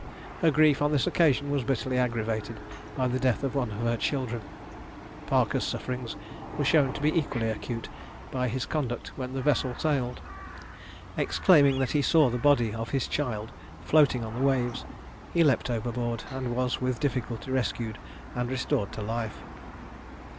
Her grief on this occasion was bitterly aggravated by the death of one of her children. Parker's sufferings were shown to be equally acute by his conduct when the vessel sailed. Exclaiming that he saw the body of his child floating on the waves, he leaped overboard, and was with difficulty rescued and restored to life.